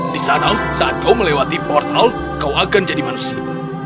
di sana saat kau melewati portal kau akan jadi manusia